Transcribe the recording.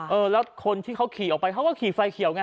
เออแล้วคนที่เขาขี่ออกไปเขาก็ขี่ไฟเขียวไง